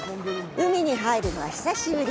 海に入るのは久しぶり。